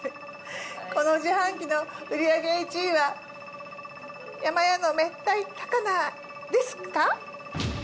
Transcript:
この自販機の売り上げ１位はやまやの明太高菜ですか？